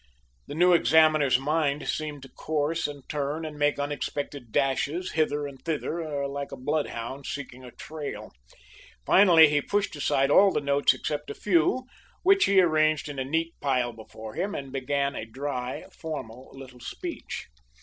The new examiner's mind seemed to course and turn and make unexpected dashes hither and thither like a bloodhound seeking a trail. Finally he pushed aside all the notes except a few, which he arranged in a neat pile before him, and began a dry, formal little speech.